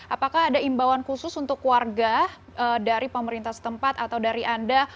apakah ada imbauan khusus untuk warga dari pemerintah setempat atau dari anda